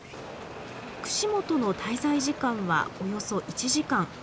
串本の滞在時間はおよそ１時間。